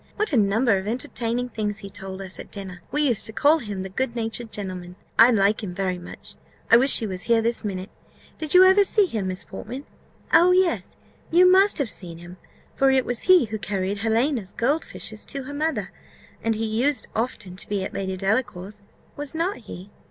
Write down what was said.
What a number of entertaining things he told us at dinner! We used to call him the good natured gentleman: I like him very much I wish he was here this minute. Did you ever see him, Miss Portman? Oh, yes, you must have seen him; for it was he who carried Helena's gold fishes to her mother, and he used often to be at Lady Delacour's was not he?"